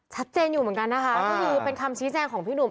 ชัดเจนอยู่เหมือนกันนะคะก็คือเป็นคำชี้แจงของพี่หนุ่ม